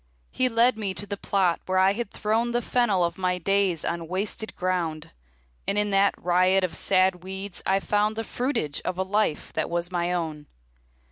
He led me to the plot where I had thrown The fennel of my days on wasted ground, And in that riot of sad weeds I found The fruitage of a life that was my own.